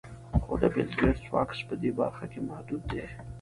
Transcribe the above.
خو د بېل ګېټس واک په دې برخه کې محدود دی.